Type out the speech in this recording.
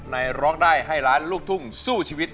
ร้องได้ให้ล้านลูกทุ่งสู้ชีวิต